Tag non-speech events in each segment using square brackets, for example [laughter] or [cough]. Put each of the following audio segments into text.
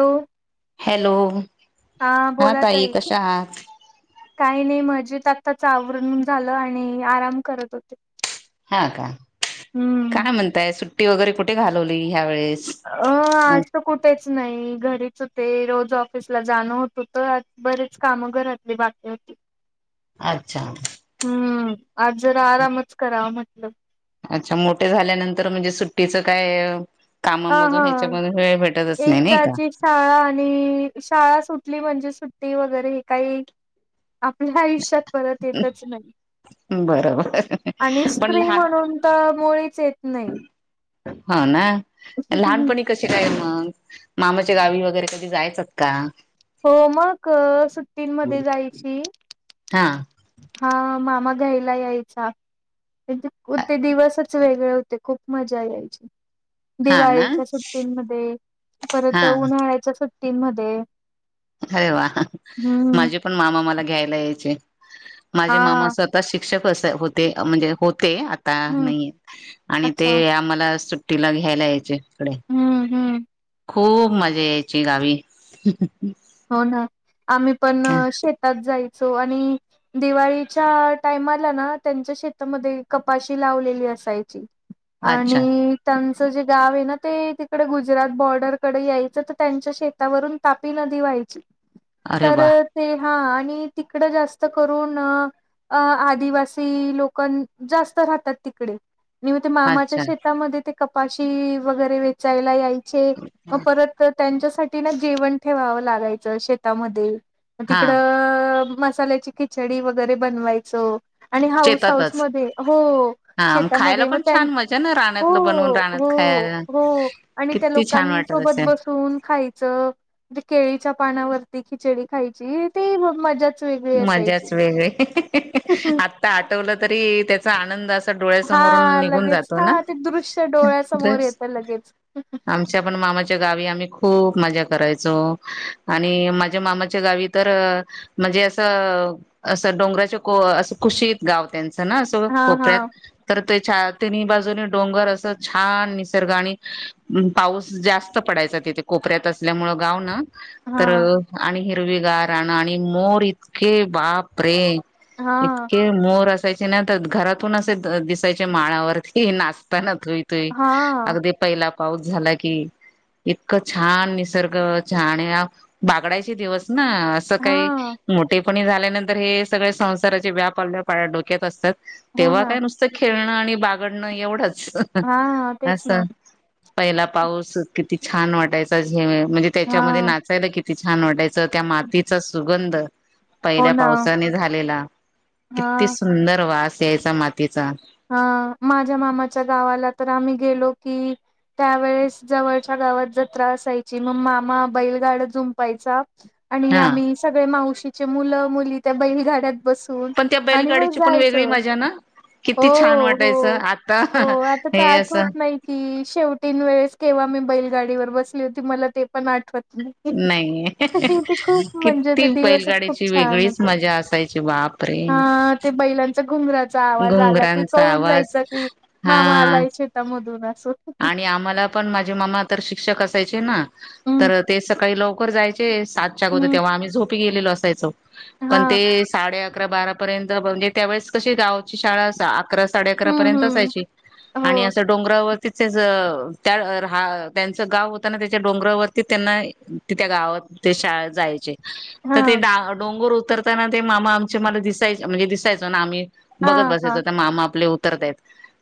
Hello hello हा ताई कशा आहात. काही नाही मजेत आताच आवरून झालं आणि आराम करत होते. हा का, हम्म. काय म्हणताय सुट्टी वगैरे कुठे घालवली? ह्यावेेळेस. अ ह आज तर कुठेच नाही घरीच होते. रोज ऑफिसला जाणं होत होतं बरेच कामं घरातली बाकी होते. अच्छा, हम्म आज जरा आरामच कराव म्हटलं, अच्छा मोठे झाल्यानंतर म्हणजे सुट्टीचं काय, हा कामांमधून हा. त्यांच्यामधून. एकदाची शाळा आणि शाळा सुटली म्हणजे सुट ती वगैरे ही काही, आपल्या आयुष्यात परत येतच नाही. बरोबर आणि पण स्त्री लहान म्हणून तर, मुळीच येत नाही. हं ना लहानपणी कसे काय मग, मामाच्या गावी वगैरे कधी जायचात का? हो मग सुट्टीनमध्ये जायची. हा, हा मामा घ्यायला यायचा, ते दिवसचं वेगळे होते खूप मजा यायची. हा ना दिवाळीच्या सुट्टींमध्ये, परत हा उन्हाळ्याच्या सुट्टींमध्ये अरे वा, हम्म माझे पण मामा मला घ्यायला यायचे. माझे हा मामा स्वतः शिक्षक असे‌ होते म्हणजे होत. ते आता हम्म नयेत आणि अच्छा ते आम्हाला सुट्टीला घ्यायला यायचे. इकडे. हम्म हम्म, खूप मजा यायची गावी. हो ना, आम्ही पण शेतात जाय चो आणि दिवाळीच्या टायमाला ना त्यांच्या शेतामध्ये कपाशी लावलेली. असायची अच्छा आणि [unintelligible] चं गाव आहे ना ते, तिकडे गुजरात बॉर्डरकडे यायचं तर त्यांच्या शेतावरून तापी नदी ती वाहायची. अरे तर वा ती हा आणि तिकड जास्त करून, अ आदिवासी लोकन जास्त राहतात तिकडे, मी म्हणते ते मामाच्या अच्छा शेतामध्ये ते कपाशी वगैरे वेचायला याय चे मग परत त्यांच्यासाठी ना जेवण ठेवावं लागायचं शेतामध्ये, मग हा तिकडं मसाल्याची खिचडी वगैरे बनवायचो. आणि हाऊस हाऊस शेतातच मध्ये, हो हा खायला शेतामध्ये मग पण त्यान छान मजा ना रानातलं बनवून रानात हो खायला. हो, आणि त्या किती छान वाटत लोकांसोबत असेल बसून खायचं, केळीच्या पानावरती खिचडी खायची ते मग मजाच वेगळी, आता आठवलं तरी त्याचा आनंद अस तर डोळ्या हा समोरून निघून लगेच जातोना, हा ते दृश्य डोळ्यासमोर बस येतं लगेच. आमच्या पण मामाच्या गावी आम्ही खूप मज्जा करायचो. आणि माझ्या मामाच्या गावी तर म्हणजे अस, असं डोंगराच्या असं कुशीत गाव त्याचं, [unintelligible] हा, हा, कोपऱ्यात तर ते छा तिनही बाजूने डोंगर असं, छान निसर्ग आणि पाऊस जास्त पडायचा तिथे कोक कोपऱ्यात असल्यामुळे गाव ना, तर हा, आणि हिरवीगार रान आणि मोर इतके बापरे, हा, इतके मोर अस [unintelligible] घरातून अस दिसायचे माळावरती नाचताना. थुईथुई हा, अगदी पहिला, पाऊस झाला की इतकं छान! निसर्ग छान? या बागडायचे दिवस ना असं काही हा. ते पणी झाल्यानंतर हे सगळे संसाराचे व्यापा डोक्यात असतात हो तेव्हा ना, काय नुसतं खेळणं आणि बागडणं एवढंच हा तेच ना, असं पहिला पाऊस किती छान वाटायचा झे म्हणजे त्याच्यामध्ये हा, नाचायला किती छान वाटायचं त्या मातीचा सुगंध हो पहिल्या ना, पावसाने झालेला हा. किती सुंदर वास यायचा मातीचा. अ माझ्या मामाच्या गावाला तर आम्ही गेलो की त्यावेळेस जवळच्या गावात जत्रा असायची. मग मामा बैलगाड जुंपायचा, आणि हा आम्ही सगळे मावशीचे मुलं, मुली त्या बैलगाड्यात, बसून पण त्या आणि मग बैलगाडीची पण वेगळी जायचं. मजा ना. हो किती छान हो वाटायचं आता हो आता त हे आठवत असं नाही ती शेवटीन वेळेस केव्हा मी, बैलगाडीवर बसली होती मला ते पण आठवत. नाही नाही ते खूप म्हणजे ते किती दिवसच खूप बैलगाडीची छान वेगळीच होते मजा असायची बाप रे! हा ते बैलांचा घुंगराचा आवाज आला की कळून जायचा कि हा मामाला शेतामधू आणि आम्हाला पण माझे मामा तर शिक्षक असायचे ना हम्म तर ते सकाळी लवकर जायचे. सात आगोदर ग होत हम्म तेव्हा आम्ही झोपी गेलेलो, असायचो हा पण ते साडे अकरा बारा पर्यंत, म्हणजे त्यावेळेस कशी गावची शाळा असा अकरा साडे अकरा हम्म पर्यंत हम्म जायची आणि हो असं डोंगरावर तिच त्या ह त्यांचं गाव होताना त्याच्या डोंगरावरती त्यांना त्या गावात, ते शाळेत जायचे. हा तर ते डा डोंगर उतरताना ते मामा आमचे मला दिसायच म्हणजे दिसायचो ना आम्ही. हा बघत बसायच हा त्या मामा आपले उतरताय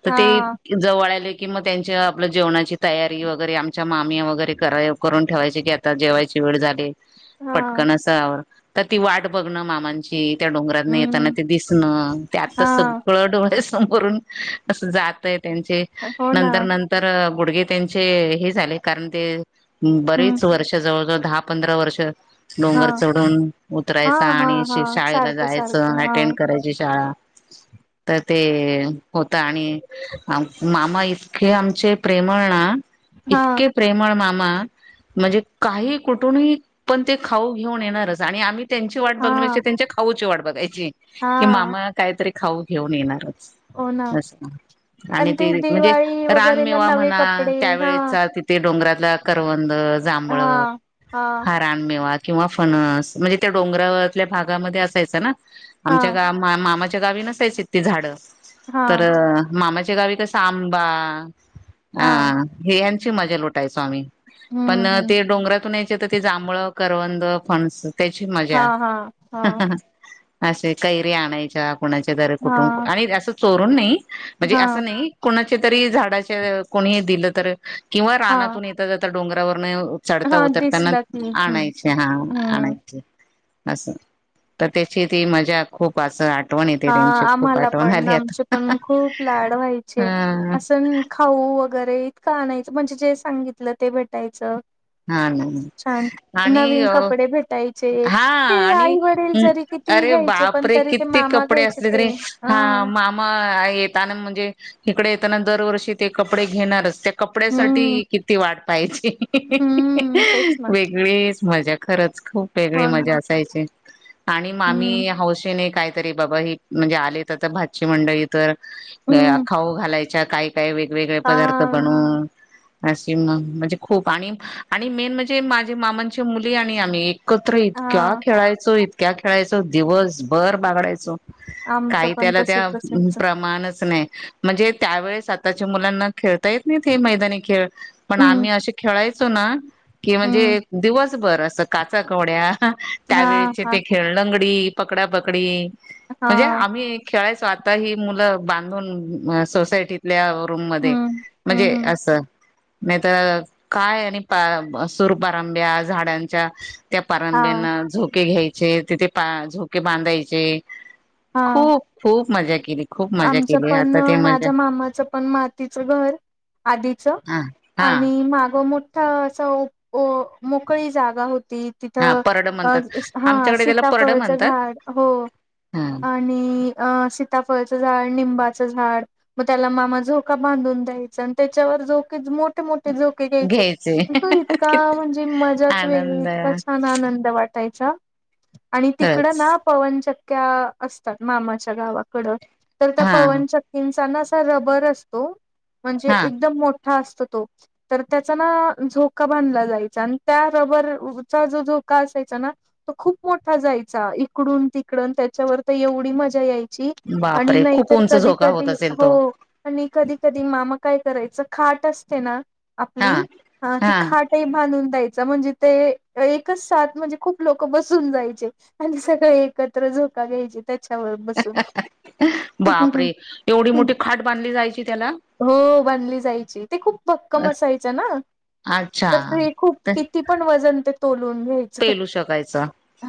तर हा ते जवळले कि मग त्यांच्या आपलं जेवणाची तयारी वगैरे आमच्या माम्या वगैरे करा करून ठेवायची की आता जेवायची हा पटकन तर ती वाट बघण मामांची, त्या डोंगरात न येताना हम्म ते दिसणं ते आत्ता हा सगळं डोंगर ोरून जातय त्यांचे हो ना नंतर नंतर गुडघे त्यांचे हे झाले. कारण हम्म बच वर्ष ज पंधरा वर्ष. हा डोंगर चढून हा उतरायचा हा आणि हा श शाळेला सारखं सारखं जायचं हा अटेंड करायची शाळा. तर ते होत आणि मामा इ हे आमचे प्रेमळ ना हा इतके प्रेमळ मा म्हणजे काही कुठून पण ते खाऊ घेऊन येणारच आणि आम त्यांची वाट हा बघण्या त्यांच्या खाऊची वाट बघायची की हा मामा काहीतरी खाऊ घेऊन येणार. हो ना अ आणि ते म्हणजे, दिवाळी वगैरेला रानमेवा नवे म्हणा कपडे हा त्यावेळेचा तिथे डोंगरातला करवंद, जांभळं हा रानमेवा किंवा फणस म्हणजे त्या डोंगराातल्या भागामध्ये असायच ना हा आमच्या गा मामा गावी नसायच झाड हा तर मामाच्या गावी कस आंबा, ह हा हे यांची मजा लुटायचो आम्ही, पण हम्म हम्म ते डोंगरातून ते जांभळ, करवंद, फणस त्याची हा मज्जा हा हा असे कैरी आणायच्या कुणाच्या घर कुटुं हां, आणि असं चोरून नाही. म्हणजे हां, असं नाही कोणाचे तरी झाडाच्या कोणीही दिलं तर, किंवा हां, रानातून येेता जाता डोंगरावर, चढता हां, उतरताना दिसलं की हं, आणायचे हा हं. आणायचे. असं तर त्याची ती मजा खूप असं, आठवण येते हा त्यांची खूप आम्हाला आठवण पण आली आमचे आता. पण खूप लाड व्हायचे हा असं खाऊ, वगैरे इ का आणयचं म्हणजे जे सांगितलं ते भेटायचं. हा छान. ना आणि नवीन अ कपडे भेटायचे. हा.... ते आणि, आई वडील जरी कितीही अरे घ्यायचे पण बापरे तरी ते कितती मामा कपडे घ्यायचे असले त ते रे हा हां. मामा येताना म्हणजे. इकडे येताना दरवर्षी ते कपडे घेणारच त्या हम्म, कपड्यासाठी किती वाट पाहायची हम्म, तेच ना वेगळीच मजा खरंच. खूप वेगळी हो ना मजा असायची. आणि हम्म, मामी हौसेने कायतरी बाबा ही म्हणजे आले तर तर भाची मंडळी तर हम्म. खाऊ घालायच्या काय काय वेगवेगळे पदार्थ हां, बनून. अशी म्हणजे खूप आणि आणि मेन म्हणजे माझे मामांची मुली आणि आम्ही, एकत्र इतक्या हां, खेळायचो इतक्या खेळायचो दिवसभर बागडायचो. आमचं काही पण त्याला त्या तसंच असायचं प्रमाणच नाही. म्हणजे त्यावेेळेस आताच्या मुलांना खेळता येत नाहीत हे मैदानी खेळ पण हं, आम्ही असे खेळायच असो ना की हं. म्हणजे दिवसभर असं काचा कवड्या ह हां, त्यावेळेचे हां, ते खेळ लंगडी पकडापकडी म्हणजे हां. आम्ही खेळाय. स्वतः ही मुलं बांधून सोसायटीतल्या रुम मध्ये हम्म, म्हणजे हम्म, हम्म. अस नाही तर काय सुरपारंब्या झाडांच्या त्या हा. पारंब्याना झोके घ्यायचे. तिथे पा झोके बांधायचे हा, खूप खूप मज्जा केली. खूप मजा आमचं केली पण आता ते मजा माझ्या मामाचं पण मातीचं घर आधीच. हा हा आणि माग मोठा असा मोकळी जागा होती. हा तिथं परड म्हणतात हा आमच्याकडे त्याला परड सीताफळच म्हणतात झाड हो हा आणि सिताफळ. लिंबाचे झाड मग मामा त्याला झोका बांधून द्यायचा मग त्याच्यावर जर मोठे मोठे मोठे झोके घ्यायचे. तो इतका म्हणजे मजाच वेगळ आनंद इतका छान आनंद वाटायचा. अच्छ आणि तिकडं खच ना पवनचक्क्या असतात मामाच्या गावाकडं तर त्या हा पवनचक्कींचा ना असा रबर असतो म्हणजे हा एकदम मोठ मोठा असतो तो तर त्याचा ना झोका बांधला जायचा आणि त्या रबरचा जो झोका असायचा ना तो खूप मोठा जायचा इकडून तिकड त्याच्यावर तर एवढी मजा यायची. आणि बापरे खूप नाहीतर उंच कधी झोका होत कधी असेल हो तो आणि कधी कधी मामा काय. करायच खाट असते ना हा आपली ती हा खाटही बांधून द्यायच. म्हणजे ते एकच साात म्हणजे खूप लोक बसून जायचे आणि सगळे एकत्र झोका घ्यायची त्याच्यावर बसून. बापरे एवढी मोठी खाट बांधली जायची त्याला. हो बांधली जायची ते खूप भक्कम असायचं ना. अच्छा तसंही खूप किती पण वजन तोडून घ्यायचं पेलू शकायचं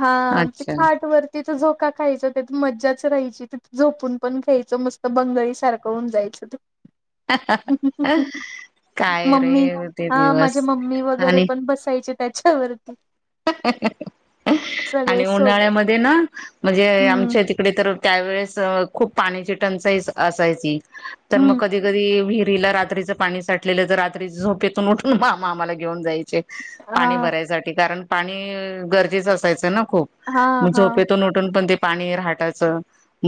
आणि ते अच्छा खाट वरती झोका खायचं त्या मज्जाच रायची तिथ झोपून पण ख्यायचं मस्त बंगळी सारखं होऊन जायचं. ह. मम्मी हा माझे मम्मी वगैरे आणि पण बसायचे त्याच्यावरती. आणि सगळे सोबत उन्हाळ्यामध्ये ना म्हणजे हम्म आमच्या तिकडे तर त्या वळेस खूप पाण्याची टंचाई असायची तर मग हम्म कधी कधी विहीर विहीरीला रात्रीच पाणी साठलेलं तर रात्री झोपेतून उठून मामा आम्हाला घेऊन जायचे. हा पाणी भरायसाठी कारण पाणी गरजेचं असायचं ना. खूप हा मग हा झोपेतून उठून पण ते पाणी रहाटाच.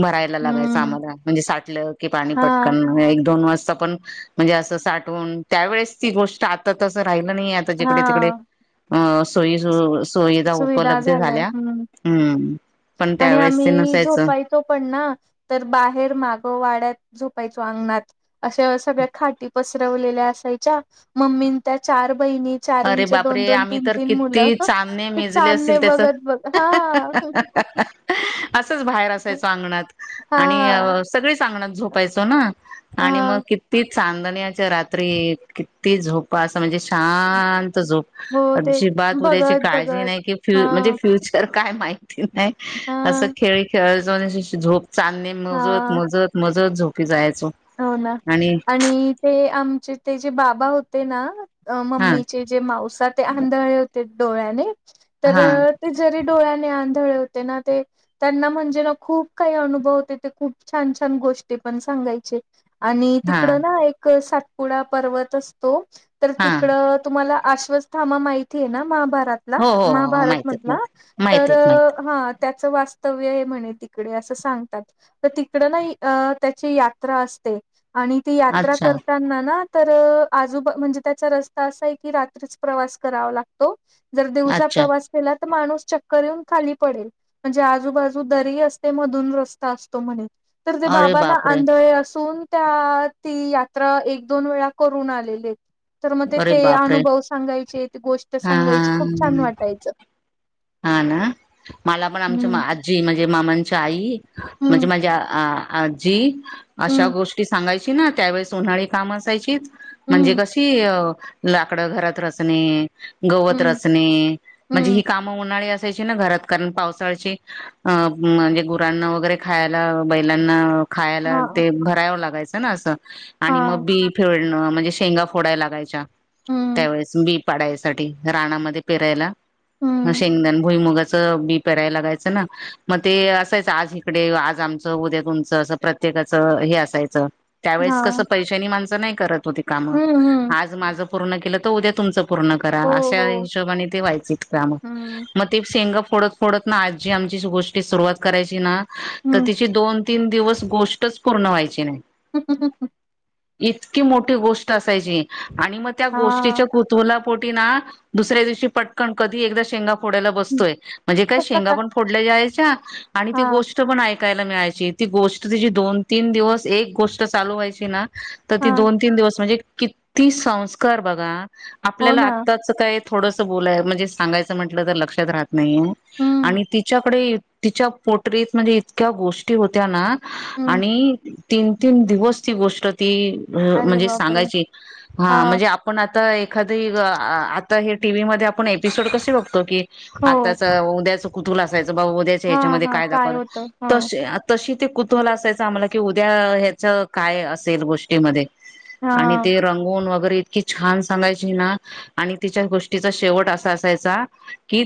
भरायला लागायचं हम्म आम्हाला म्हणजे साठलं की पाणी हा पटकन एक दोन वाजता पण म्हणजे असं साठून त्या वेळेसची गोष्ट आता तसं राहिलं नाही. आ जिकडे तिकडे हा सोय. सुविधा उपलब्ध झालंय झाल्या हम्म हम्म. पण आणि त्यावेेळेस ते आम्ही नसायचं झोपायचं पण ना मग बाहेर मग वाड्यात. झोपायचं अंगणात सगळ्या अशा खाटी पसरून ठरवलेल्या असायच्या मम्मीने त्या चार बहिणी अरे चारंचे दोन बापरे दोन आम्ही तीन तर तीन मुलं किती चांदणे ते मेजले चांदणे बघत बघत हा असच बाहेर असायचं अंगणात आणि हा सगळी अंगणात झोपायचं ना आणि हा मग किती चांदण्याच्या रात्री किती झोप असं म्हणजे शांत शत झोप हो ते अजिबात उद्याची बघत काळजी बघत नाही की फ हा म्हणजे फ्युचर काय माहि नाही हा असं खेळ खेळा जाऊ झोप चांदणे हा मोजत मोजत मोजत झोपायचं हो ना आणि ते आमचे ते जे बाबा होते ना अ हा मम्मीचे जे माांस ते आंधळे होते डोळ्याने तर हा ते जरी डोळ्याने आण हो ना ते त्यांना म्हणजे ना खूप काही अनुभव होते ते खूप छान छान गोष्टी पण सांगायचे आणि हा तिकडं ना एक सातपुडा पर्वत असतो तर हा. तिकड तुम्हाला आश्स्थमा माहितीय ना महाभार भारत मधला हो हो हो महाभारत माहिती आहेत मधला माहिती तर माहितीत माहिती हा त्याचं वास्तव्य आहे म्हणे तिकडे असं सांगतात तर तिकड ना त्याची यात्रा अस आणि ती यात्रा अच्छा करताना ना तर आजूबा म्हणजे त्याचा रस्ता असा आहे की रात्रीच प्रवास करावा लागतो जर दिवसा अच्छा प्रवास केला तर माणूस चक्कर येऊन खाली पडेल म्हणजे आजूबाजू दरी असस्ते मधून रस्ता असतो म्हणे तर ते अरे बाबाांना बापरे आंधळे अस त्या ती यात्रा एक दोन वेळा करून आलेली तर मग ते अरे ते बापरे अनुभव सांगायचे ते गोष्ट हा सांगायची खूप छान हा वाटायचं हा ना मला पण आमच हम्म आजी म्ह ण मनजे मामांच्या आई म्हणजे हम्म माझ आजजी अशा हम्म गोष्टी सांगा त्यावेस उन्हाळे काम असायची म्हणजे हम्म कशी लाकडं घरातच नाही गवत घरात हम्म रचने हम्म म्हणजे काय न असायची ना घरात कारण पावसाळची म्हणजे गुरांना वगैरे खायला बैलांना खायला हा ते भरावं लागायचं ना असं आणि हा मग बी फेव म्हणजे शेंगा फोडा लागायच्या हम्म त्यावेळेस बी पाडायसाठी राणामध्ये पेरायला ह हम्म शेंगदाान भुई मूग च बी पेरायला जायचं ना ना मग ते असच आज इकडे आज आमच उद्या तुमचं प्रत एकमेकांस हे असायचं हा त्यावेळेस कसं पैशानी माणसं नाही करत होती कामं हम्म हम्म आज माझं पूर्ण केलं तर उद्या तुमचं पूर्ण करा हो, अशा हो. हिशोबाने ते व्हायचेत काम हं. मग ती शेंगा फोडत फोडत ना आजी आमची गोष्टी सुरुवात करायची ना तर हं. तिची दोन तीन दिवस गोष्टच पूर्ण व्हायची नाही सका स इतकी मोठी गोष्ट असायची आणि मग त्या हां. गोष्टीच्या कृतूला पोटी ना दुसऱ्या दिवशी पटकन कधी एक शेंगा पुढ बसतोय मनजे काय शेंगा हं. फोडल्या जायच्या म्हण पण फोडल्याच्या आणि हां, गोस्ट पण यला मिळाय ती गोष्ट तिी दोन तीन दिवस एक गोष्ट चालू व्हायची ना [unintelligible] तर ती हां. दोन तीन दिवस म्हणजे किती संस्कार बघा हो आपल्याला ना. आत्ताच काय थोडं बोलाय म्हजे सांगाचं म्हतल तर लक्षात राहत नाही हं, आणि तिच्याकडे त पोटरीत म्हे इतक्या गोष्टी होत्या ना हं. आणि तीन तीन दिवस ती गोष्ट ती अरे म्हणजे बापरे! सांगायची हा हां. म्हणजे आपण आता एक एखादी आता हे टीव्ही मध्ये आपण एपिसोड कसे बघतो की हो. आताच उद्याच कुतुला असायच बा्याच हां, ह्याच्यामध्ये हां. काय दाखव होतं? हां, तशी ते कुतूहाला असायचं आम्हाला कि उद्या ह्याच काय असेल गोष्टीमध्ये आणि हां. ते रंगून वगैरे इतकी छान सांगायची ना आणि तिच्या गोष्टीचा शेवट असा असायचा, की